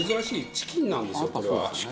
チキンなんですよこれは。